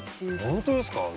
本当ですか？